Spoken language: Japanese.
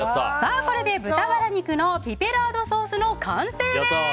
これで豚バラ肉のピペラードソースの完成です。